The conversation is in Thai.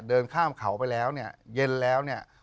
เดินข้ามเขาไปแล้วเนี่ยเย็นแล้วเนี่ย